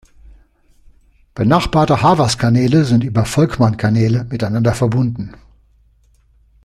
Benachbarte Havers-Kanäle sind über Volkmann-Kanäle miteinander verbunden.